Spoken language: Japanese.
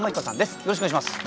よろしくお願いします。